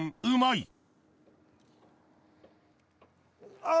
うまい！